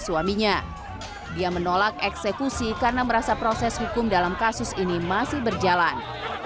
suaminya dia menolak eksekusi karena merasa proses hukum dalam kasus ini masih berjalan